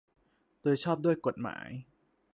โดยชอบด้วยกฎหมาย